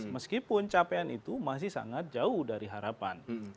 meskipun capean itu masih sangat jauh dari kondisi yang terjadi di indonesia